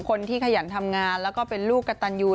ขยันทำงานแล้วก็เป็นลูกกระตันยู